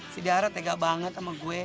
si dara tegak banget sama gue